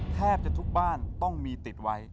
แทบจะทุกบ้านต้องมีติดไว้